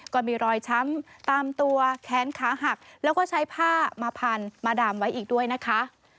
ก็มีรอยช้ำตามตัวแขนขาหักแล้วก็ใช้ผ้ามาพันมาดามไว้อีกด้วยนะคะ